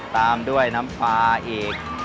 ตามด้วยน้ำปลาอีก